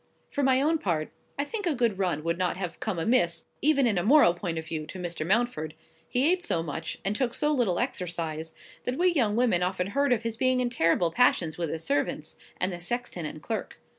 For my own part, I think a good run would not have come amiss, even in a moral point of view, to Mr. Mountford. He ate so much, and took so little exercise, that we young women often heard of his being in terrible passions with his servants, and the sexton and clerk.